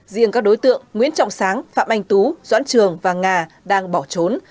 riêng các đối tượng nguyễn trọng sáng phạm anh tú doãn trường và nga đang bỏ trốn